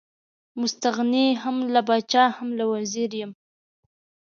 مستغني هم له پاچا هم له وزیر یم.